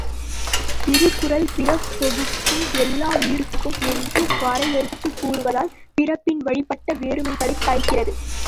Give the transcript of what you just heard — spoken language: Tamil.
திருக்குறள் பிறப்பொக்கும் எல்லாவுயிர்க்கும் என்று வரையறுத்துக் கூறுவதால், பிறப்பின் வழிப்பட்ட வேற்றுமைகளைக் களைகிறது.